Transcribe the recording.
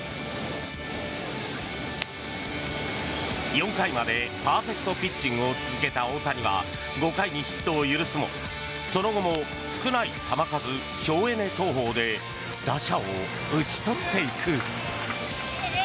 ４回までパーフェクトピッチングを続けた大谷は５回にヒットを許すもその後も少ない球数省エネ投法で打者を打ち取っていく。